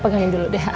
pegangin dulu deh